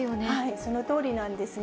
そのとおりなんですね。